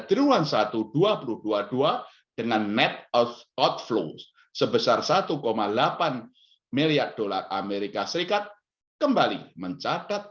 triwulan satu dua ribu dua puluh dua dengan net outflow sebesar satu delapan miliar dolar amerika serikat kembali mencatat